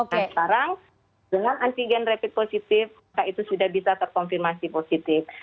nah sekarang dengan antigen rapid positif maka itu sudah bisa terkonfirmasi positif